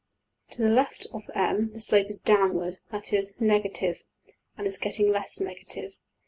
To the left of~$M$ the slope is downward, that is, negative, and is getting less negative.